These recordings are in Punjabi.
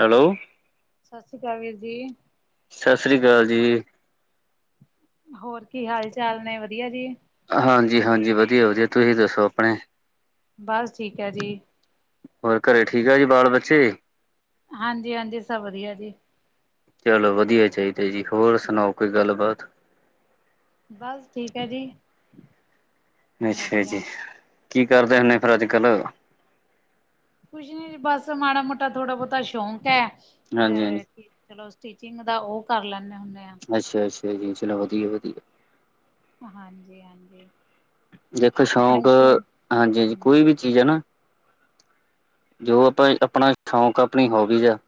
ਹੈਲੋ ਸਸ਼੍ਰੀ ਅਕਾਲ ਵੀਰ ਜੀ ਸਸ੍ਰੀ ਅਕਾਲ ਜੀ ਹੋਰ ਕੀ ਹਾਲ- ਚਾਲ ਨੇ, ਵਧੀਆ ਜੀ ਹਾਂਜੀ- ਹਾਂਜੀ, ਵਧੀਆ- ਵਧੀਆ ਤੁਸੀਂ ਦੱਸੋ ਆਪਨੇ ਬਸ ਠੀਕ ਐ ਜੀ ਹੋਰ ਘਰੇ ਠੀਕ ਆ ਜੀ ਬਾਲ ਬੱਚੇ ਹਾਂਜੀ- ਹਾਂਜੀ ਸਬ ਵਧੀਆ ਜੀ ਚਲੋ ਵਧੀਆ ਚਾਈਦਾ ਜੀ, ਹੋਰ ਸੁਣਾਓ ਕੋਈ ਗੱਲਬਾਤ ਬਸ ਠੀਕ ਐ ਜੀ ਅੱਛਾ ਜੀ, ਵਧੀਆ। ਕੀ ਕਰਦੇ ਹੁਨੇ ਫੇਰ ਅੱਜ-ਕੱਲ ਕੱਲ੍ਹ ਕੁਛ ਨੀ ਜੀ, ਬਸ ਮਾੜਾ ਮੋਟਾ ਥੋੜਾ ਬਹੁਤਾ ਸ਼ੌਕ ਐ, ਹਾਂਜੀ-ਹਾਂਜੀ, ਅਹ ਕਿ ਚਲੋ ਸਟੀਿਚਿੰਗ ਦਾ ਉਹ ਕਰ ਲੈਨੇ ਹੁਨੇ ਆਂ ਅੱਛਾ- ਅੱਛਾ ਜੀ, ਚਲੋ ਵਧੀਆ -ਵਧੀਆ ਹਾਂਜੀ- ਹਾਂਜੀ ਦੇਖੋ ਸ਼ੌਕ, ਹਾਂਜੀ- ਹਾਂਜੀ ਹੂੰ, ਕੋਈ ਵੀ ਚੀਜ਼ ਐ ਨਾ ਜੋ ਆਪਾਂ, ਆਪਨਾ ਸ਼ੌਕ, ਆਪਣੀ ਹੋਬੀਜ਼ ਆ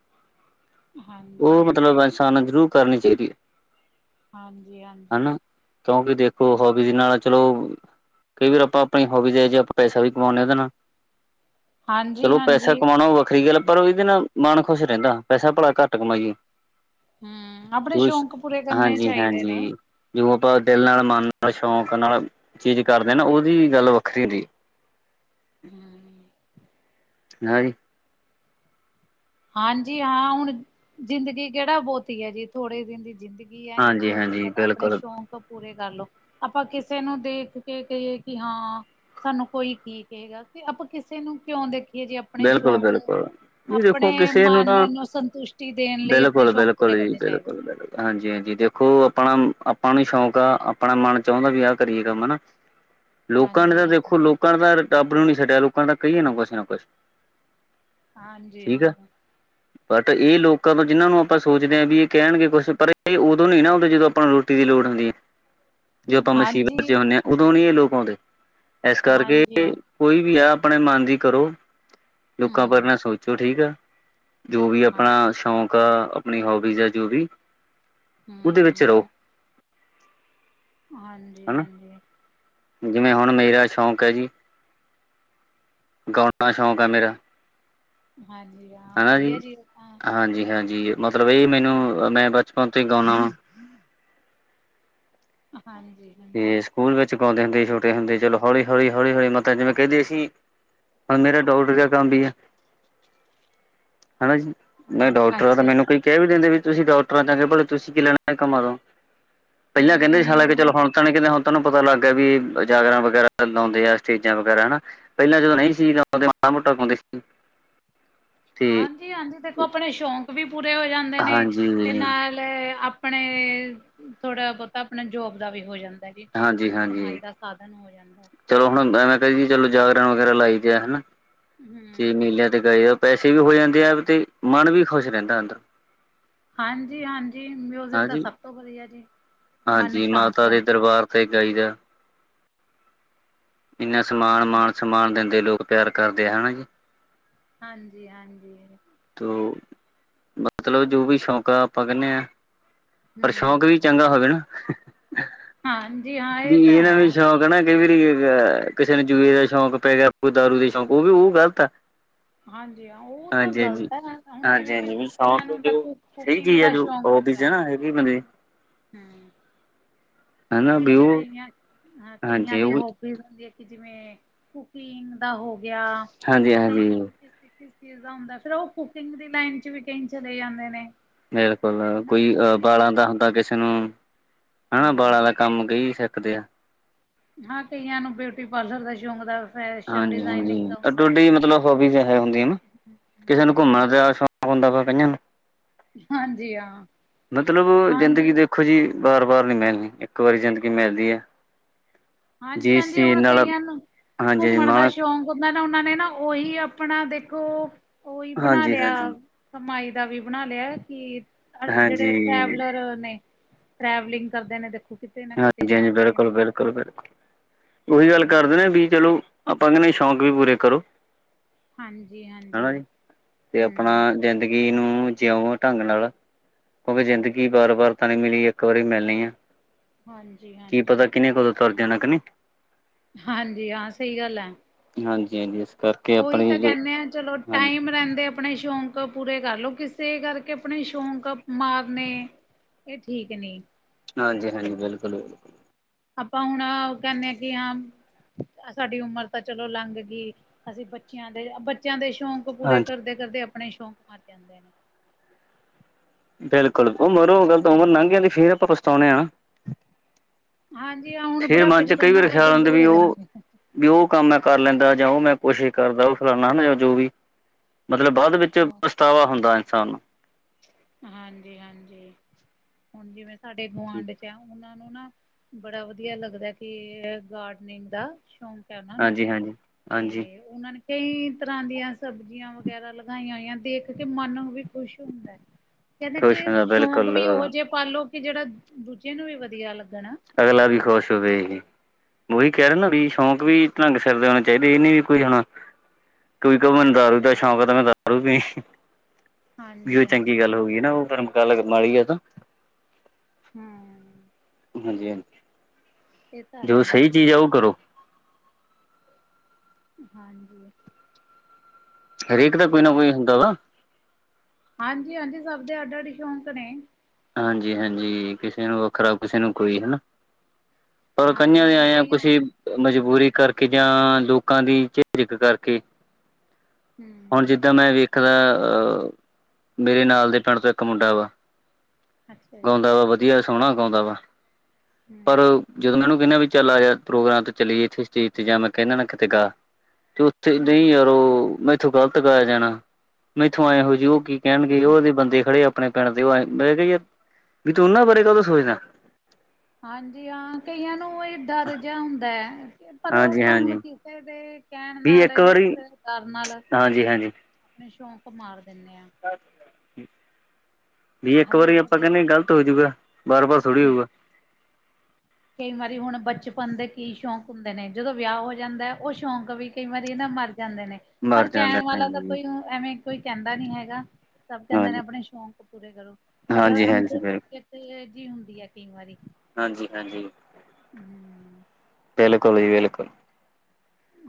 ਉਹ ਹਾਂਜੀ। ਮਤਲਬ, ਇਨਸਾਨ ਨੂੰ ਜ਼ਰੂਰ ਕਰਨੀ ਚਾਹੀਦੀ ਐ ਹਾਂਜੀ- ਹਾਂਜੀ ਕਿਉਂਕਿ ਦੇਖੋ, ਹਾੱਬੀਜ਼ ਨਾਲ ਚਲੋ ਕਈ ਵਾਰ ਆਪਾਂ ਆਪਣੀ ਹਾੱਬੀਜ਼ ਅਹਿਜੀ ਆਪਾਂ ਪੈਸਾ ਵੀ ਕਮਾਉਂਦੇ ਉਹਦੇ ਨਾਲ ਹਾਂਜੀ ਚਲੋ ਪੈਸਾ ਹਾਂਜੀ। ਕਮਾਉਣਾ ਉਹ ਵੱਖਰੀ ਗੱਲ, ਪਰ ਉਹਦੇ ਨਾਲ ਮਨ ਖੁਸ਼ ਰਹਿੰਦਾ, ਪੈਸਾ ਭਲੇ ਘੱਟ ਘੱਟ ਕਮਾਈਏ, ਹੂੰ, ਆਪਣੇ ਜੋਸ਼ ਸ਼ੌਕ ਪੂਰੇ ਕਰਨੇ ਹਾਂਜੀ- ਚਾਹੀਦੇ ਨੇ, ਹਾਂਜੀ ਜੋ ਆਪਾਂ ਦਿਲ ਨਾਲ -ਮਨ ਨਾਲ- ਸ਼ੌਂਕ ਨਾਲ ਚੀਜ਼ ਕਰਦੇ ਹਾਂ ਨਾ। ਉਹਦੀ ਗੱਲ ਵੱਖਰੀ ਜੀ। ਹੂ ਹਾਂਜੀ। ਹਾਂਜੀ ਹਾਂ। ਹੁਣ ਜ਼ਿੰਦਗੀ ਕਿਹੜਾ ਬਹੁਤੀ ਹੈ ਜੀ। ਥੋੜੇ ਦਿਨ ਦੀ ਜ਼ਿੰਦਗੀ ਗੀ ਏ ਇਸ ਤੋਂ ਹਾਂਜੀ-ਹਾਂਜੀ ਚੰਗਾ ਤਾਂ ਆਪਣੇ ਬਿਲਕੁਲ ਸ਼ੌਕ ਪੂਰੇ ਕਰ ਲਓ। ਆਪਾਂ ਕਿਸੇ ਨੂੰ ਦੇਖ ਕੇ ਕਹੀਏ ਕਿ ਹਾਂ ਸਾਨੂੰ ਕੋਈ ਕੀ ਕਹੇਗਾ? ਕਿ ਆਪਾਂ ਕਿਸੇ ਨੂੰ ਕਿਉਂ ਦੇਖਿਆ ਜੇ ਆਪਣੇ ਸ਼ੌਂਕ ਬਿਲਕੁਲ-ਬਿਲਕੁਲ ਜੀ ਆਪਣੇ ਦੇਖੋ ਕਿਸੇ ਮਨ ਤਾਂ ਨੂੰ ਸੰਤੁਸ਼ਟੀ ਦੇਣ ਲਈ ਆਪਣੇ ਸ਼ੌਂਕ ਪੂਰੇ ਕਰਨੇ ਚਾਹੀਦੇ ਨੇ। ਹਾਂਜੀ -ਹਾਂਜੀ। ਦੇਖੋ ਆਪਣਾ ਆਪਾਂ ਨੂੰ ਸ਼ੌਂਕ ਆ ਆਪਣਾ ਮਨ ਚਾਹੁੰਦਾ ਵੀ ਆਹ ਕਰੀਏ ਕੰਮ ਹਨਾ। ਲੋਕਾਂ ਨੇ ਹਾਂਜੀ ਤਾਂ ਹਾਂਜੀ ਦੇਖੋ ਲੋਕਾਂ ਨੇ ਤਾਂ ਰੱਬ ਨੂੰ ਨੀ ਛੱਡਿਆ ਲੋਕਾਂ ਨੇ ਤਾਂ ਕਹੀ [unintelligible] ਹਾਂਜੀ ਹਾਂ। ਬਟ ਇਹ ਲੋਕਾਂ ਤੋਂ ਜਿਹਨਾਂ ਨੂੰ ਆਪਾਂ ਸੋਚਦੇ ਹਾਂ ਵੀ ਇਹ ਕਹਿਣਗੇ ਕੁੱਛ। ਪਰ ਇਹ ਉਦੋਂ ਨੀ ਨਾ ਆਉਦੇ ਜਦੋਂ ਆਪਾਂ ਨੂੰ ਰੋਟੀ ਟੀ ਦੀ ਲੋੜ ਹੁੰਦੀ ਏ। ਜਦੋ ਆਪਾਂ ਮੁਸੀਬਤ ਚ ਹਾਂਜੀ ਹੁਨੇ ਹਾਂ ਉਦੋਂ ਨੀ ਇਹ ਲੋਕ ਆਉਂਦੇ। ਇਸ ਕਰਕੇ ਹਾਂਜੀ ਹਾਂ ਕੋਈ ਵੀ ਆ ਆਪਣੇ ਮਨ ਦੀ ਕਰੋ। ਲੋਕਾਂ ਬਾਰੇ ਹਮ ਨਾ ਸੋਚੋ ਠੀਕ ਆ ਜੋ ਵੀ ਹਾਂ ਆਪਣਾ ਸ਼ੌਕ ਆਪਣੀ ਹੋਬੀਜ਼ ਆ ਜੋ ਵੀ ਉਹਦੇ ਵਿੱਚ ਰਹੋ। ਹਮ ਹਾਂਜੀ- ਹਨਾ ਹਾਂਜੀ। ਜਿਵੇਂ ਹੁਣ ਮੇਰਾ ਸ਼ੌਂਕ ਹੈ ਜੀ ਗਾਉਣਾ ਸ਼ੌਂਕ ਆ ਮੇਰਾ। ਹਾਂਜੀ। ਹਾਂ ਹਨਾ ਜੀ ਵਧੀਆ ਹਾਂ ਹਾਂਜੀ -ਹਾਂਜੀ ਮਤਲਬ ਇਹ ਮੈਨੂੰ ਮੈਂ ਬਚਪਨ ਤੋਂ ਹੀ ਗਾਉਂਦਾ ਵਾਂ। ਹਾਂਜੀ। ਹਾਂਜੀ ਤੇ ਸਕੂਲ ਵਿੱਚ ਗਾਉਂਦੇ ਹੁੰਦੇ ਸੀ ਛੋਟੇ ਹੁੰਦੇ। ਚਲੋ ਹੌਲੀ -ਹੌਲੀ- ਹੌਲੀ- ਹੌਲੀ ਮਤਲਬ ਜਿਵੇਂ ਕਹਿੰਦੇ ਸੀ ਹੁਣ ਮੇਰਾ ਡਾਊਟ ਦਾ ਕੰਮ ਵੀ ਹੈ ਹਨਾ ਜੀ। ਮੈ ਡਾਕਟਰ ਆ ਤੇ ਅੱਛਾ ਮੈਨੂੰ ਕੋਈ ਕਹਿ ਵੀ ਦਿੰਦੇ ਵੀ ਤੁਸੀਂ ਡਾਕਟਰ ਆ ਚੰਗੇ ਭਲੇ ਤੁਸੀਂ ਕੀ ਲੈਣਾ ਇਹ ਕੰਮਾਂ ਤੋਂ। ਪਹਿਲਾਂ ਕਹਿੰਦੇ ਸੀ ਹਾਲਾਂਕ ਹਮ ਚਲੋ ਹੁਣ ਤਾਂ ਨੀ ਕਹਿੰਦੇ ਹੁਣ ਤੁਹਾਨੂੰ ਪਤਾ ਲੱਗ ਗਿਆ ਵੀ ਇਹ ਜਾਗਰਨ ਵਗੈਰਾ ਲਾਉਦੇ ਆ। ਸਟੇਜਾਂ ਵਗੈਰਾ ਹਨਾ। ਪਹਿਲਾਂ ਜਦੋਂ ਨਹੀਂ ਸੀ ਤਾਂ ਉਦੋ ਮਾੜਾ- ਮੋਟਾ ਗਾਉਂਦੇ ਸੀ। ਤੇ ਹਾਂਜੀ -ਹਾਂਜੀ। ਦੇਖੋ ਆਪਣੇ ਸ਼ੌਂਕ ਵੀ ਪੂਰੇ ਹੋ ਜਾਂਦੇ ਨੇ। ਤੇ ਹਾਂਜੀ ਨਾਲ ਲੈ ਆਪਣੇ ਥੋੜਾ ਬਹੁਤਾ ਆਪਣਾ ਜੋਬ ਦਾ ਵੀ ਹੋ ਜਾਂਦਾ। [unintelligible] ਜੀ ਹਾਂਜੀ ਹਾਂਜੀ ਕਮਾਈ ਦਾ ਸਾਧਨ ਹੋ ਜਾਂਦਾ। ਚਲੋ ਹੁਣ ਹੁੰਦਾ ਨਾ ਕਈ ਜੀ ਚਲੋ ਜਾਗਰਣ ਵਗੈਰਾ ਲਾਈ ਦੇ ਆ ਹਨਾ ਹੂ ਤੇ ਮੇਲਿਆਂ ਤੇ ਗਏ ਓ ਪੈਸੇ ਵੀ ਹੋ ਜਾਂਦੇ ਆ। ਤੇ ਮਨ ਵੀ ਖੁਸ਼ ਰਹਿੰਦਾ ਅੰਦਰੋ। ਹਾਂਜੀ-ਹਾਂਜੀ ਮਿਊਜ਼ਿਕ ਤਾਂ ਹਾਂਜੀ ਸਭ ਤੋਂ ਵਧੀਆ ਜੀ। ਮਨ ਸ਼ਾਂਤ ਰਹਿੰਦਾ ਏ। ਸਗਾਈ [unintelligible] ਇੰਨਾ ਸਮਾਨ ਮਾਨ- ਸਮਾਨ ਦਿੰਦੇ ਲੋਕ ਪਿਆਰ ਕਰਦੇ ਆ ਹਨਾ ਜੀ। ਹਾਂਜੀ -ਹਾਂਜੀ। ਤੋਂ ਮਤਲਬ ਜੋ ਵੀ ਸ਼ੌਕ ਆ। ਆਪਾਂ ਕਹਿੰਦੇ ਹਾਂ ਪਰ ਸ਼ੌਕ ਹਮ ਵੀ ਚੰਗਾ ਹੋਵੇ ਨਾ। ਹਾਂਜੀ ਹਾਂ। ਵੀ ਇਹ ਤਾਂ ਇੰਨਾ ਨੂੰ ਵੀ ਹੈ ਸ਼ੌਕ ਕਹਿਣਾ ਕਈ ਵਾਰੀ ਕਿਸੇ ਨੂੰ ਜੂਏ ਦਾ ਸ਼ੌਂਕ ਪੈ ਗਿਆ। ਦਾਰੂ ਦਾ ਸ਼ੌਂਕ। ਉਹ ਵੀ ਉਹ ਗ਼ਲਤ ਐ। ਹਾਂਜੀ ਹਾਂ ਉਹ ਤਾਂ ਹਾਂਜੀ-ਹਾਂਜੀ। ਗ਼ਲਤ ਹੈ ਹੁਣ ਜਿਵੇਂ ਕਿ ਹਾਂਜੀ-ਹਾਂਜੀ। ਵੀ ਕਈਆਂ ਸੋ਼ਕ ਨੂੰ ਹੁੰਦਾ ਜੋ ਸਹੀ ਕੁਕਿੰਗ ਚੀਜ਼ ਦਾ ਜੋ ਸ਼ੌਕ ਹੁੰਦਾ [unintelligible] ਸਹੀ ਬਣੇ ਹਮ ਹਨਾ ਵੀ ਹੁਣ ਉਹ ਕਈਆਂ, ਹਾਂ ਕਈਆਂ ਹਾਂਜੀ ਦੀ ਉਹ ਹੋ ਦੀ ਕਿ ਜਿਵੇਂ ਕੁਕਿੰਗ ਦਾ ਹੋ ਗਿਆ, ਹਾਂਜੀ ਹਾਂਜੀ ਕਈਆਂ ਨੂੰ ਤੇ ਕਿਸ ਚੀਜ਼ ਦਾ ਹੁੰਦਾ, ਫੇਰ ਉਹ ਕੁਕਿੰਗ ਦੀ ਲਾਈਨ 'ਚ ਵੀ ਕਈ ਚਲੇ ਜਾਂਦੇ ਨੇ ਬਿਲਕੁਲ ਹਨਾ ਕੋਈ ਵਾਲਾਂ ਦਾ ਹੁੰਦਾ ਕਿਸੇ ਨੂੰ ਹਾਂ, ਬਾਂਲਾ ਹਾਂਜੀ ਦਾ ਕੰਮ ਕਈ ਸਿੱਖਦੇ ਆ। ਹਾਂ ਕਈਆਂ ਨੂੰ ਬਿਊਟੀ ਪਾਰਲਰ ਦਾ ਸ਼ੌਂਕ ਦਾ ਫੈਸ਼ਨ ਹਾਂਜੀ-ਹਾਂਜੀ, ਡਿਜ਼ਾਇਨਿੰਗ ਦਾ ਹੁੰਦਾ ਜੀ ਅੱਡੋ-ਅੱਡੀ ਮਤਲਬ ਹੋਬੀਜ਼ ਹੈ ਹੁੰਦੀਆ, ਹਮ ਕਿਸੇ ਨੂੰ ਘੁੰਮਣ ਹਾਂਜੀ ਦਾ ਸੌਂਕ ਹੁੰਦਾ ਵਾ ਕਈਆਂ ਨੂੰ ਹਾਂਜੀ ਆਂ। ਮਤਲਬ, ਜ਼ਿੰਦਗੀ ਦੇਖੋ ਜੀ ਵਾਰ-ਵਾਰ ਨੀ ਮਿਲਣੀ, ਇੱਕ ਵਰੀ ਜ਼ਿੰਦਗੀ ਮਿਲਦੀ ਐ। ਹਾਂਜੀ-ਹਾਂਜੀ ਹੁਨ ਕਈਆਂ ਨੂੰ, ਹਾਂਜੀ ਘੁੰਮਣ ਦਾ ਮਾਣ ਸ਼ੌਕ ਉਹਨਾਂ ਨੇ ਨਾ ਉਹੀ ਆਪਣਾ ਦੇਖੋ, ਉਹੀ ਬਣਾ ਲਿਆ ਹਾਂਜੀ-ਹਾਂਜੀ। ਕਮਾਈ ਦਾ ਵੀ ਬਣਾ ਲਿਆ ਕਿ, ਅ ਜੇੜੇ ਹਾਂਜੀ, ਟ੍ਰੈਵਲਰ ਨੇ ਟਰੈਵਲਿੰਗ ਕਰਦੇ ਨੇ ਦੇਖੋ ਕਿਥੇ ਹਾਂਜੀ-ਹਾਂਜੀ, ਬਿਲਕੁਲ-ਬਿਲਕੁਲ, ਬਿਲਕੁਲ ਉਹੀ ਗੱਲ ਹੂੰ ਕਰਦੇ ਵੀ ਚਲੋ, ਆਪਾਂ ਕਹਿੰਦੇ ਸ਼ੌਕ ਵੀ ਪੂਰੇ ਕਰੋ। ਹਾਂਜੀ-ਹਾਂਜੀ ਹਨਾ ਜੀ, ਤੇ ਆਪਨਾ ਜ਼ਿੰਦਗੀ ਹੂੰ ਜਿੰਦਗੀ ਨੂੰ ਜਿਉ ਢੰਗ ਨਾਲ, ਕਿਉਂਕਿ ਜ਼ਿੰਦਗੀ ਵਾਰ- ਵਾਰ ਤਾਂ ਨੀ ਮਿਲੀ ਇੱਕ ਵਾਰੀ ਮਿਲਣੀ ਆ। ਹਾਂਜੀ ਹਾਂ ਕੀ ਪਤਾ, ਕਿੰਨੇ ਕਦੋਂ ਤੁਰ ਜਾਣਾ ਕਿ ਨਹੀਂ ਹਾਂਜੀ ਹਾਂ, ਸਹੀ ਗੱਲ ਐ ਹਾਂਜੀ- ਹਾਂਜੀ ਅਸ ਉਹੀ ਤਾਂ ਕਹਿੰਦੇ ਆ ਚਲੋ ਟਾਈਮ ਰਹਿੰਦੇ ਆਪਣੇ ਸ਼ੌਕ ਪੂਰੇ ਕਰਲਓ, ਕਿਸੇ ਕਰ ਕੇ ਆਪਣੇ ਸ਼ੌਂਕ ਮਾਰਨੇ, ਇਹ ਠੀਕ ਨੀ। ਹਾਂਜੀ-ਹਾਜੀ, ਬਿਲਕੁਲ-ਬਿਲਕਲ। ਆਪਾਂ ਹੁਣ ਆਹ, ਕਹਿੰਦੇ ਆ ਕਿ ਹਾਂ। ਸਾਡੀ ਉਮਰ ਤਾਂ ਚਲੋ ਲੰਘ ਗਈ। ਅਸੀਂ ਬੱਚਿਆਂ ਦੇ ਆ ਬੱਚਿਆਂ ਦੇ ਸ਼ੌਕ ਉਹ ਪੂਰੇ ਹਾਂਜੀ ਕਰਦੇ- ਕਰਦੇ ਆਪਣੇ ਸ਼ੌਂਕ ਮਰ ਜਾਂਦੇ ਨੇ। ਬਿਲਕੁਲ ਉਮਰੋ ਗੱਲ ਤਾਂ ਉਮਰ ਹੂੰ। ਲੰਘ ਜਾਂਦੀ, ਫਿਰ ਆਪਾਂ ਪਛਤਾਉਣੇ ਆ ਹਾਂਜੀ ਹਾਂ, ਹੁਣ ਫੇਰ ਬੁਢਾਪੇ ਮਨ 'ਚ ਕਈ ਥੋੜਾ ਵਾਰ ਆਪਾਂ ਖਿਆਲ ਸ਼ੌਂਕ ਆਉਂਦਾ ਵੀ ਪੂਰੇ ਉਹ ਕਰਾਂਗੇ। ਵੀ ਉਹ ਕੰਮ ਮੈਂ ਕਰ ਲੈਂਦਾ, ਜਾਂ ਉਹ ਮੈਂ ਕੋਸ਼ਿਸ ਕਰਦਾ ਉਹ ਫਲਾਨਾ ਹਨਾ ਜੋ ਵੀ, ਮਤਲਬ ਬਾਅਦ ਵਿੱਚ ਬਾਅਦ ਵਿੱਚ, ਪਛਤਾਵਾ ਹੁੰਦਾ ਇਨਸਾਨ ਨੂੰ ਹਾਂਜੀ -ਹਾਂਜੀ, ਹੁਣ ਜਿਵੇਂ ਸਾਡੇ ਗੁਆਂਢ 'ਚ ਆ ਉਹਨਾਂ ਨੂੰ ਉਹਨੂੰ ਨਾ, ਬੜਾ ਵਧੀਆ ਲੱਗਦਾ ਕਿ ਗਾਰਡਨਿੰਗ ਦਾ ਸ਼ੌਕ ਸ਼ੌਕ ਹੈ ਉਹਨਾਂ ਨੂੰ, ਹਾਂਜੀ ਹਾਂਜੀ ਹਾਂਜੀ ਤੇ ਉਹਨਾਂ ਨੇ ਕਈ ਤਰ੍ਹਾਂ ਦੀਆਂ ਸਬਜ਼ੀਆਂ ਵਗੈਰਾ ਲਗਾਈਆਂ ਹੋਈਆਂ, ਦੇਖ ਕੇ ਮਨ ਵੀ ਖੁਸ਼ ਖੁਸ਼ ਹੁੰਦਾ, ਕਹਿੰਦਾ ਖੁਸ਼ ਕਿ ਹੁੰਦਾ ਸ਼ੌਂਕ ਬਿਲਕੁਲ ਵੀ ਉਹੋ ਜਿਹੇ ਪਾਲੋ ਕਿ, ਜਿਹੜਾ ਦੂਜੇ ਨੂੰ ਵੀ ਵਧੀਆ ਲੱਗਣ ਅਗਲਾ ਵੀ ਖੁਸ਼ ਹੋਵੇ ਜੀ ਉਹੀ ਕਹਿ ਰਹੇ ਵੀ ਸ਼ੌਂਕ ਵੀ ਢੰਗ ਸਿਰ ਦੇ ਹੋਣੇ ਚਾਹੀਦੇ ਇਹਨੀ ਵੀ ਕੋਈ ਹੁਣ ਕੋਈ ਕਵੇ ਮੈਨੂੰ ਦਾਰੂ ਦਾ ਸ਼ੌਕ ਆ ਤੇ ਮੈਂ ਦਾਰੂ ਵੀ, ਵੀ ਉਹ ਹਾਂਜੀ ਚੰਗੀ ਹਾਂਜੀ। ਗੱਲ ਹੋ ਗਈ ਨਾ ਉਹਰਮ ਗੱਲ ਮਾੜੀ ਏ ਤਾਂ ਹਮ ਹਾਂਜੀ - ਹਾਂਜੀ। ਇਹ ਤਾਂ ਜੋ ਹੈ ਸਹੀ ਜੀ ਚੀਜ਼ ਆ, ਉਹ ਕਰੋ। ਹਾਂਜੀ। ਹਰੇਕ ਦਾ ਕੋਈ ਸਹੀ ਨਾ ਗੱਲ ਕੋਈ ਆ। ਹੁੰਦਾ ਵਾ। ਹਾਂਜੀ, ਹਾਂਜੀ ਸਭ ਦੇ ਸਾਡੇ ਅੱਡ - ਅੱਡ ਸ਼ੌਕ ਨੇ। ਹਾਂਜੀ - ਹਾਂਜੀ ਕਿਸੇ ਨੂੰ ਵੱਖਰਾ, ਕਿਸੇ ਨੂੰ ਕੋਈ, ਹਨਾ। ਪਰ ਕਈਆਂ ਹਾਂਜੀ ਦੇ ਹਾਂ ਆਏਆ ਕਈਆਂ ਕੁਸੀਂ ਮਜਬੂਰੀ ਕਰਕੇ ਜਾਂ ਲੋਕਾਂ ਦੀ ਚਿਕ - ਚਿਕ ਕਰਕੇ। ਹੁਣ ਹੂੰ ਜਿੱਦਾਂ ਮੈਂ ਵੇਖਦਾ ਆਂ, ਮੇਰੇ ਨਾਲ ਦੇ ਪਿੰਡ ਤੋਂ ਇੱਕ ਮੁੰਡਾ ਵਾ। ਅੱਛਾ ਜੀ ਗਾਉਂਦਾ ਵਾ, ਵਧੀਆ ਸੋਹਣਾ ਗਾਉਂਦਾ ਵਾ, ਪਰ ਹੂੰ ਜਦੋਂ ਮੈਨੂੰ ਕਹਿੰਦਾ ਵੀ ਚੱਲ ਆਜਾ ਪ੍ਰੋਗਰਾਮ ਤੇ ਚੱਲੀਏ, ਇੱਥੇ ਸਟੇਜ ਤੇ, ਜਾਂ ਮੈਂ ਕਹਿੰਦਾ ਨਾ ਕਿਤੇ ਗਾ। ਤੇ ਉੱਥੇ ਨਹੀਂ, ਹੂੰ, ਯਾਰ ਮੈਥੋਂ ਗ਼ਲਤ ਗਾਇਆ ਜਾਣਾ, ਆਏੋ ਮੈਥੋ ਏਹ ਹੋਜੋਹੀ ਉਹ ਕੀ ਕਹਿਣਗੇ ਉਹਦੇ ਬੰਦੇ ਖੜੇ ਆਪਣੇ ਪਿੰਡ ਦੇ, ਮੈਂ ਕਿਹਾ ਤੂੱ ਉਹਨਾਂ ਬਾਰੇ ਕਾਤੋ ਸੋਚਦਾ ਆਂ। ਹਾਂਜੀ, ਹਾਂ, ਕਈਆਂ ਨੂੰ ਡਰ ਜਿਹਾ ਹੁੰਦਾ ਹੈ, ਪਰ ਹਾਂਜੀ ਆਪਾਂ ਹੁਣ ਹਾਂਜੀ ਕਿਸੇ ਦੇ ਕਹਿਣ ਵੀ ਨਾਲ ਇੱਕ ਜਾਂ, ਵਾਰੀ ਕਿਸੇ ਦੇ ਡਰ ਨਾਲ, ਹਾਂਜੀ ਹਾਂਜੀ ਸ਼ੌਂਕ ਮਾਰ ਦੇਣੇ ਆ। ਅੱ ਵੀ ਇੱਕ ਵਾਰੀ ਹਰੇਕ ਆਪਾਂ ਦੇ ਕਹਿੰਦੇ, ਗਲਤ ਹੋਜੂਗਾ ਬਾਰ- ਬਾਰ ਥੋੜੀ ਹੋਊਗਾ। ਕਈ ਵਾਰੀ, ਹੁਣ ਬਚਪਨ ਦੇ ਕੀ ਸ਼ੌਂਕ ਹੁੰਦੇ ਨੇ, ਜਦੋਂ ਵਿਆਹ ਹੋ ਜਾਂਦਾ, ਉਹ ਸ਼ੌਂਕ ਵੀ ਕਈ ਵਾਰੀ ਮਰਜ਼ ਜਾਂਦੇ ਨੇ। ਪਰ ਮਰ ਜਾਂਦਾ ਕਹਿਣ ਵਾਲਾ ਤਾਂ, ਹਾਂਜੀ ਕੋਈ ਐਵੇਂ ਕੋਈ ਕਹਿੰਦਾ ਨੀ ਹੈਗਾ, ਸਭ ਕਹਿੰਦੇ ਨੇ ਆਪਣੇ ਸ਼ੌਕ ਪੂਰੇ ਕਰੋ, ਪਰ ਹਾਂਜੀ ਅੰਦਰੋਂ ਹਾਂਜੀ ਤੇ, ਜਿ ਹੁੰਦੀ ਏ ਕਈ ਵਾਰੀ। ਹਾਂਜੀ - ਹਾਂਜੀ। ਹਮ [unintelligible] ਬਿਲਕੁਲ ਜੀ, ਬਿਲਕੁਲ।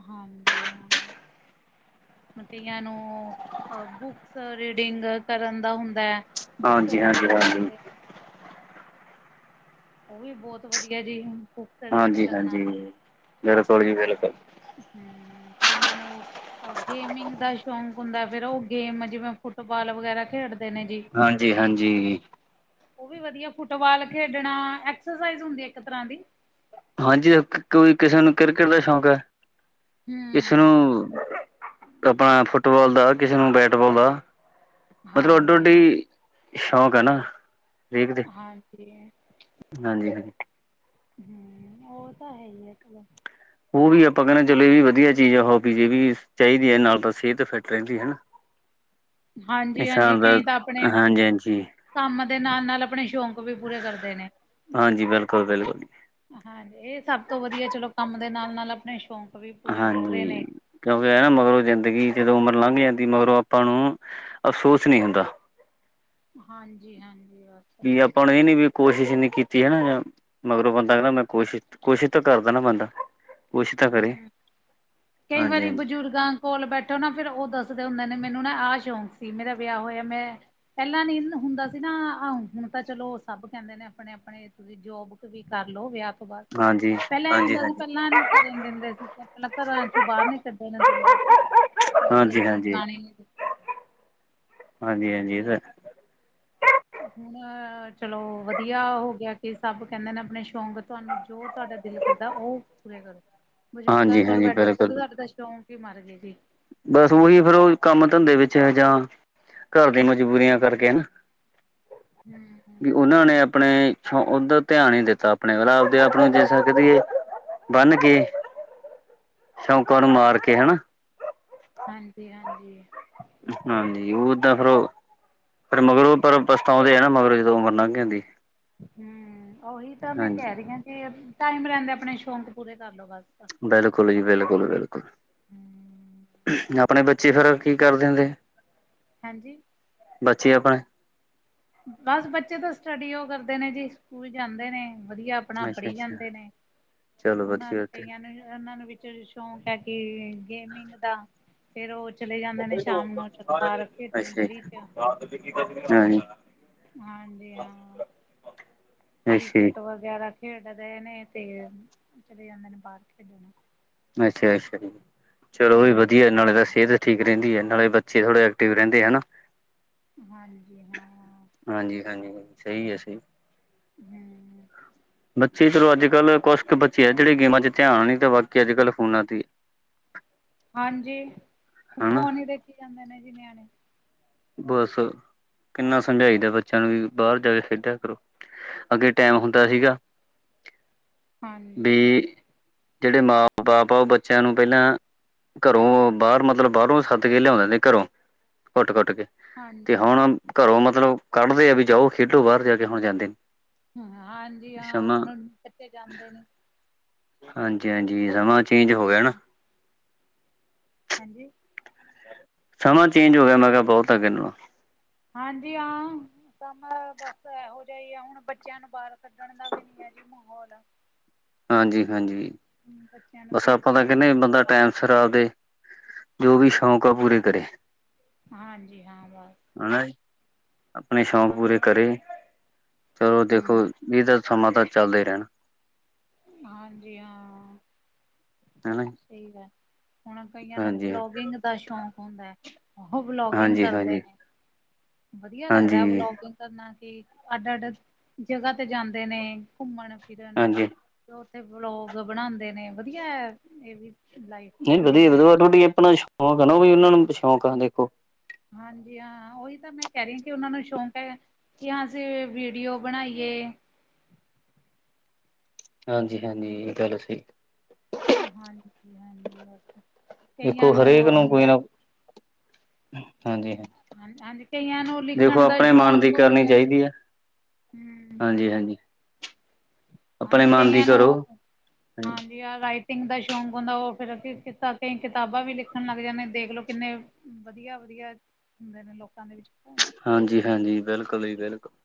ਹਾਂਜੀ, ਹਾਂ। ਹਾਂ ਹੋਣ ਕਈਆਂ ਨੂੰ, ਬੁੱਕਸ ਰੀਡਿੰਗ ਕਰਨ ਦਾ ਹੁੰਦਾ ਆ। ਬੂੱਕਸ ਹਾਂਜੀ ਰੀਡ ਹਾਂਜੀ ਹਾਂਜੀ ਕਰਦੇ। ਉਹ, ਵੀ ਬਹੁਤ ਵਧੀਆ ਜੀ ਹੁਣ ਹਾਂਜੀ, ਹਾਂਜੀ, ਬਿਲਕੁਲ ਜੀ, ਬਿਲਕੁਲ! ਹਮ ਕਈਆਂ ਨੂੰ। ਗੇਮਿੰਗ ਦਾ ਸ਼ੌਂਕ ਹੁੰਦਾ, ਫਿਰ ਉਹ ਗੇਮ, ਜਿਵੇਂ ਫੁੱਟਬਾਲ ਵਗੈਰਾ ਖੇਡਦੇ। ਤਿੰਨ ਜੀ। ਹਾਂਜੀ ਹਾਂਜੀ ਉਹ, ਵੀ ਵਧੀਆ ਫੁੱਟਬਾਲ ਖੇਡਣਾ, ਐਕਸਰਸਾਈਜ਼ ਹੁੰਦੀ ਇੱਕ ਤਰ੍ਹਾਂ ਦੀ। ਹਾਂਜੀ, ਕੋਈ ਕਿਸੇ ਨੂੰ ਕ੍ਰਿਕਟ ਦਾ ਸ਼ੌਂਕ ਏ, ਕਿਸੇ ਕਿਸੇ ਹੂੰ। ਨੂੰ, ਕਪਾਲ ਫੁੱਟਬਾਲ ਦਾ, ਕਿਸੇ ਨੂੰ ਬੈਟਬਾਲ ਦਾ। ਮਤਲਬ ਔਡੋ, ਹਾਂਜੀ ਹਾਂ, ਆਡੀ ਸ਼ੌਂਕ ਹੈ, ਨਾ ਵੇਖਦੇ ਹਾਂਜੀ ਹਾਂਜੀ -ਹਾਂਜੀ। ਹਮ ਉਹ ਤਾਂ ਹੈ, ਹੀ ਹੈ, ਚਲੋ। ਉਹ ਵੀ ਆਪਾਂ ਕਹਿਨੇ, ਚਲੋ ਇਹ ਵੀ ਵਧੀਆ ਚੀਜ਼ ਆ, ਹੋਬੀਜ਼ ਇਹ ਵੀ ਚਾਹੀਦੀ ਹੈ, ਨਾਲ ਤਾਂ ਸਿਹਤ ਫਿੱਟ ਰਹਿੰਦੀ ਹਨਾ। [inaudible] ਹਾਂਜੀ -ਹਾਂਜੀ ਕਈ ਤਾਂ ਆਪਣੇ ਹਾਂਜੀ [inaudible] ਕੰਮ ਨਾਲ- ਨਾਲ ਆਪਣੇ ਸ਼ੌਕ ਉਹ ਵੀ ਪੂਰੇ ਕਰਦੇ ਨੇ। ਹਾਂਜੀ ਬਿਲਕੁਲ ਬਿਲਕੁਲ ਹਾਂਜੀ ਇਹ ਸਭ ਤੋਂ ਵਧੀਆ, ਚਲੋ ਕੰਮ ਦੇ ਨਾਲ - ਨਾਲ ਆਪਣੇ ਸ਼ੌਕ ਹਾਂਜੀ। ਕਿਉਂਕਿ, ਹੈ, ਨਾਂ ਮਗਰੋਂ ਜ਼ਿੰਦਗੀ ਜਦੋਂ ਉਮਰ ਲੰਘ ਜਾਂਦੀ ਮਗਰੋਂ ਆਪਾਂ ਨੂੰ ਅਫਸੋਸ ਨਹੀਂ ਹੁੰਦਾ। ਹਾਂਜੀ-ਹਾਂਜੀ ਬਸ। ਵੀ ਆਪਾਂ ਨੂੰ ਏ ਨੀ ਵੀ ਕੋਸ਼ਿਸ਼ ਨੀ ਕੀਤੀ ਹਨਾ ਜਾਂ ਮਗਰੋਂ ਬੰਦਾ ਕੈਂਦਾ ਮੈਂ ਕੋਸ਼ਿਸ਼, ਕੋਸ਼ਿਸ਼ ਤਾਂ ਕਰਦਾ ਨਾ ਬੰਦਾ। ਕੋਸ਼ਿਸ਼ ਤਾਂ ਕਰੇ ਹੂੰ, ਕਈ ਹਾਂਜੀ ਵਾਰੀ ਹਾਂਜੀ ਬਜ਼ੁਰਗਾਂ ਕੋਲ ਬੈਠੋ ਨਾ ਫੇਰ ਓ ਦੱਸਦੇ ਹੁੰਦੇ ਨੇ ਮੈਨੂੰ ਨਾ ਆ ਸ਼ੌਕ ਸੀ ਮੇਰਾ ਵਿਆ ਹੋਇਆ ਮੈਂ ਪੈਲਾਂ ਨੀ ਹੁਣ‌ ਹੁੰਦਾ ਸੀ ਨਾਂ ਆ ਹੁਣ ਤਾਂ ਚਲੋ ਸਭ ਕੈਂਦੇ ਨੇ ਆਪਣੇ-ਆਪਣੇ ਤੁਸੀਂ ਜੋਬ ਕ ਵੀ ਕਰਲੋ ਵਿਆ ਤੋਂ ਬਾਅਦ, ਹਾਂਜੀ ਪੈਲਾਂ ਐ ਹਾਂਜੀ ਹੁੰਦਾ ਸੀ ਹਾਂਜੀ ਪੈਲਾਂ ਨੀ ਕਰਨ ਦਿੰਦੇ ਸੀ 'ਤੇ ਪੈਲਾਂ ਘਰਾਂ ਚੋਂ ਬਾਰ ਨੀ ਕੱਢਣ ਦਿੰਦੇ ਸੀ। ਲੇਡੀਜ਼ ਹਾਂਜੀ ਨੂੰ ਜਾਣ ਈ ਨੀ ਦਿੰਦੇ। ਸੀ ਹਾਂਜੀ-ਹਾਂਜੀ ਏ ਤਾਂ ਹੈ। ਤੇ ਹੁਣ ਚਲੋ ਵਧੀਆ ਹੋ ਗਿਆ ਕਿ ਸਭ ਕੈਂਦੇ ਨੇ ਆਪਣੇ ਸ਼ੌਂਕ ਤੁਹਾਨੂੰ ਜੋ ਤੁਹਾਡਾ ਦਿਲ ਕਰਦਾ ਓ ਪੂਰੇ ਕਰ। [inaudible] ਬਜ਼ੁਰਗਾਂ ਕੋਲ ਹਾਂਜੀ ਬੈਠੇ ਤਾਂ ਕਦੇ ਬਿਲਕੁਲ ਸਾਡੇ ਤਾਂ ਸ਼ੌਂਕ ਈ ਮਰ ਗੇ ਸੀ। ਬਸ ਉਈ ਫਿਰ ਓ ਕੰਮ, ਧੰਦੇ ਵਿੱਚ ਜਾਂ ਘਰ ਦੀ ਮਜਬੂਰੀਆਂ ਕਰਕੇ ਹਨਾ। ਹੂੰ-ਹੂੰ। ਵੀ ਉਨਾਂ ਨੇ ਆਪਣੇ ਸ਼ੋਕ ਉਧ ਧਿਆਨ ਈ ਨੀ ਦਿੱਤਾ ਆਪਣਿਆਂ ਦਾ ਰਾ ਓ ਦੇ ਆਪਣੇ ਨੂੰ ਦਿਸ ਸਕਦੀ ਏ ਬੰਨ ਕੇ, ਸ਼ੌਕਾਂ ਨੂੰ ਮਾਰ ਕੇ ਹਨਾ। ਹਾਂਜੀ-ਹਾਂਜੀ। ਹਾਂਜੀ ਉਦਾ ਫਿਰ ਓ, ਫਿਰ ਮਗਰੋਂ ਪਰ ਪਛਤਾਉਂਦੇ ਐ ਨਾ ਮਗਰੋਂ ਜਦੋਂ ਉਮਰ ਨੰਘ ਜਾਂਦੀ। ਹੂੰ ਉਹੀ ਤਾਂ ਮੈਂ ਕੈ ਹਾਂਜੀ ਰੀ ਆ ਕਿ ਟਾਈਮ ਰੈਂਦੇ ਆਪਣੇ ਸ਼ੌਂਕ ਪੂਰੇ ਕਰ ਲੋ ਬਸ। ਬਿਲਕੁੱਲ ਜੀ ਬਿਲਕੁੱਲ-ਬਿਲਕੁੱਲ, ਆਪਣੇ ਬੱਚੇ ਫਿਰ ਕੀ ਕਰਦੇ ਹੁੰਦੇ ਆ? ਹੈਂ ਜੀ। ਬੱਚੇ ਆਪਣੇ। ਬਸ ਬੱਚੇ ਤਾਂ ਸਟੱਡੀ ਓ ਕਰਦੇ ਨੇ ਜੀ ਸਕੂਲ ਜਾਂਦੇ ਨੇ ਵਧੀਆ ਆਪਣਾ ਅੱਛਾ ਪੜੀ ਅੱਛਾ ਜਾਂਦੇ ਨੇ, ਚਲੋ ਉਨਾਂ ਨੂੰ ਵਧੀਆ ਤੇ ਕਈਆਂ ਨੂੰ ਉਨਾਂ ਨੂੰ ਵੀ ਚਰ ਸ਼ੌਂਕ ਐ ਕਿ ਗੇਮਿੰਗ ਦਾ। ਫੇਰ ਓ ਚਲੇ ਜਾਂਦੇ ਨੇ ਸ਼ਾਮ ਨੂੰ ਚਲੋ ਬਾਰ ਖੇਡਣ ਗਲੀ 'ਚ। ਹਾਂ। ਹਾਂਜੀ ਹਾਂ। ਅੱਛਾ ਜੀ ਕ੍ਰਿਕਟ ਵਗੈਰਾ ਖੇਡ ਰੇ ਨੇ 'ਤੇ ਚਲੇ ਜਾਂਦੇ ਨੇ ਬਾਰ ਖੇਡਣ। ਅੱਛਾ-ਅੱਛਾ ਜੀ, ਚਲੋ ਓ ਵੀ ਹਮ ਵਧੀਆ ਨਾਲੇ ਤਾਂ ਸੇਅਤ ਠੀਕ ਰੈਂਦੀ ਐ ਨਾਲੇ ਬੱਚੇ ਥੋੜੇ ਐਕਟਿਵ ਰੈਂਦੇ ਹਨਾ। ਹਾਂਜੀ ਹਾਂ। ਹਾਂਜੀ-ਹਾਂਜੀ ਸਈ ਐ ਸਈ। ਹੂੰ। ਬੱਚੇ ਚਲੋ ਅੱਜ-ਕੱਲ ਕੁਛ ਕ ਬੱਚੇ ਆ ਜੇੜੇ ਗੇਮਾਂ 'ਚ ਧਿਆਨ ਨੀ ਤਾਂ ਬਾਕੀ ਅੱਜ-ਕੱਲ ਫੋਨਾਂ ਤੇ [inaudible] ਹਾਂਜੀ, ਹਨਾ ਫੋਨ ਈ ਦੇਖੀ ਜਾਂਦੇ ਨੇ ਜੀ ਨਿਆਣੇ। ਬਸ, ਕਿੰਨਾ ਸਮਝਾਈਦਾ ਬੱਚਿਆਂ ਨੂੰ ਵੀ ਬਾਰ ਜਾ ਕੇ ਖੇਡਿਆ ਕਰੋ। ਅੱਗੇ ਟਾਈਮ ਹੁੰਦਾ ਸੀਗਾ ਵੀ ਹਾਂਜੀ। ਜੇੜੇ ਮਾਂ ਬਾਪ ਬੱਚਿਆਂ ਨੂੰ ਪੈਲਾਂ ਘਰੋਂ ਬਾਰ ਮਤਲਬ ਬਾਰੋਂ ਸੱਦ ਕੇ ਲਿਆਉਂਦੇ ਦੀ ਘਰੋਂ। ਕੁੱਟ-ਕੁੱਟ ਕੇ। ਤੇ ਹਾਂਜੀ, ਹੁਣ ਘਰੋਂ ਮਤਲਬ ਕੱਢਦੇ ਆ ਵੀ ਜਾਓ, ਖੇਡੋ ਬਾਹਰ ਜਾ ਕੇ ਹੁਣ ਜਾਂਦੇ ਨੀ। ਹਾਂਜੀ, ਹਾਂ ਹੁਣ ਬੱਚੇ ਜਾਂਦੇ ਨੀ। ਹਾਂਜੀ- ਹਾਂਜੀ, ਸਮਾਂ ਚੇਂਜ ਹੋ ਗਿਆ ਨਾ। ਹਾਜੀ। ਸਮਾਂ ਚੇਂਜ ਹੋ ਗਿਆ ਮੈਂ ਕਿਹਾ ਬਹੁਤ ਅੱਗੇ ਨਾਲੋ। ਹਾਂਜੀ ਹਾਂ ਸਮਾ ਬਸ ਐਹੋ ਜਾ ਈ ਆ, ਹੁਣ ਬੱਚਿਆਂ ਨੂੰ ਬਾਹਰ ਛੱਡਣ ਦਾ ਵੀ ਨੀ ਹੈ ਜੀ ਮਾਹੌਲ਼। ਹਾਂਜੀ- ਹਾਂਜੀ। ਹੂੰ ਬੱਚ ਬਸ ਆਪਾਂ ਤਾਂ ਕਹਿਣੇ ਆ ਬੰਦਾ ਟੈਮ ਸਿਰ ਆਪਦੇ, ਜੋ ਵੀ ਸ਼ੌਂਕ ਆ ਪੂਰੇ ਕਰੇ। ਹਾਂਜੀ, ਹਾਂ ਬਸ ਹਨਾ ਜੀ, ਆਪਣੇ ਸ਼ੌਕ ਪੂਰੇ ਹਾਂਜੀ। ਕਰੇ‌ ਚਲੋ ਹੂੰ, ਦੇਖੋ ਏਦਾਂ ਸਮਾਂ ਤਾਂ ਚੱਲਦਾ ਈ ਰਹਿਣਾ। ਹਾਂਜੀ, ਹਾਂ। ਹਨਾ ਜੀ। ਸਹੀ ਗੱਲ, ਹੁਣ ਕਈਆਂ ਨੂੰ ਹਾਂਜੀ ਵਲੋਗਿੰਗ ਦਾ ਸ਼ੌਂਕ ਹੁੰਦਾ ਐ। ਉਹੋ ਵਲੋਗਿੰਗ ਹਾਂਜੀ ਕਰਦੇ ਹਾਂਜੀ ਨੇ, ਵਧੀਆ ਹਾਂਜੀ ਲੱਗਦਾ ਵਲੋਗਿੰਗ ਕਰਨਾ ਕਿ ਅੱਡ-ਅੱਡ ਜਗਾ ਤੇ ਜਾਂਦੇ ਨੇ ਘੁੰਮਣ-ਫਿਰਨ। ਹਾਂਜੀ ਤੇ ਉੱਥੇ ਬਲੌਗ ਬਣਾਂਦੇ ਨੇ, ਵਧੀਆ ਇਹ ਵੀ ਨਈ ਵਧੀਆ -ਵਧੀਆ ਅੱਡੋ-ਅੱਡੀ ਆਪਣਾ ਸ਼ੌਕ ਨਾ, ਵੀ ਉਹਨਾਂ ਨੂੰ ਸ਼ੌਕ ਆ ਦੇਖੋ। ਹਾਂਜੀ, ਹਾਂ ਉਹੀ ਤਾਂ ਮੈਂ ਕਹਿ ਰਹੀ ਹਾਂ ਕਿ ਉਹਨਾਂ ਨੂੰ ਸ਼ੌਂਕ ਹੈ ਕਿ ਅਸੀਂ ਵੀਡੀਓ ਬਣਾਈਏ। ਹਾਂਜੀ- ਹਾਂਜੀ, ਹਮ ਇਹ ਤਾਂ ਗੱਲ ਸਹੀ। ਹਾਂਜੀ- ਹਾਂਜੀ ਬਸ, ਕਈਆਂ ਦੇਖੋ ਨੂੰ ਹਰੇਕ ਕੋਈ ਹੁੰਦਾ ਨਾ ਹਾਂਜੀ ਹਾਂ ਹਾਂ ਹਾਂਜੀ, ਕਈਆਂ ਨੂੰ ਲਿਖਣ ਦਾ ਮਨ ਦੀ ਸ਼ੌਕ ਕਰਨੀ ਹੁੰਦਾ ਜੀ। ਚਾਹੀਦੀ ਹੈ ਹੂੰ। ਹਾਂਜੀ ਹਾਂਜੀ ਆਪਣੇ ਹਾਂਜੀ, ਮਨ ਦੀ ਕਈਆਂ ਨੂੰ ਕਰੋ ਉਹ ਹਾਂਜੀ ਆ ਰਾਈਟਿੰਗ ਦਾ ਸ਼ੌਂਕ ਹੁੰਦਾ ਉਹ ਫਿਰ ਕ ਕਈ ਕਿਤਾਬਾਂ ਵੀ ਲਿਖਣ ਲੱਗ ਜਾਂਦੇ, ਦੇਖਲੋ ਕਿੰਨੇ ਵਧੀਆ- ਵਧੀਆ ਹੁੰਦੇ ਨੇ ਲੋਕਾਂ ਦੇ ਵਿੱਚ ਗੁਣ। ਹਾਂਜੀ-ਹਾਂਜੀ, ਬਿਲਕੁਲ ਜੀ ਬਿਲਕੁਲ।